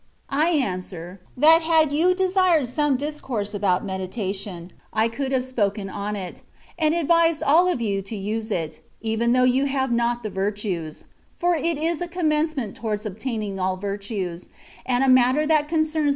I answer, that had you desired some discourse about ^'medita tion,'^ I coxdd have spoken on it, and advised all of you to use it, even though you have not the virtues ; for it is a commencement towards ob« taiuing all virtues, and a matter that concerns the * That is, to gain the victory.